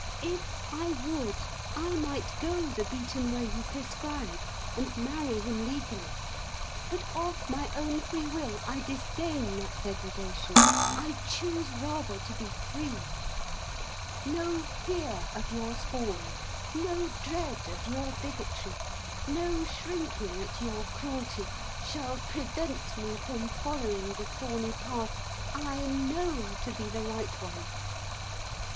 If I would, I might go the beaten way you prescribe, and marry him legally. But of my own free will I disdain that degradation; I choose rather to be free. No fear of your scorn, no dread of your bigotry, no shrinking at your cruelty, shall prevent me from following the thorny path I know to be the right one.